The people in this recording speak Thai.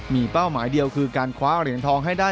มีเป้าหมายเดียวคือการคว้าเหรียญทองให้ได้